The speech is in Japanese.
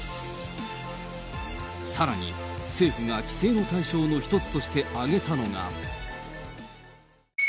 さらに、政府が規制の対象の一つとして挙げたのが。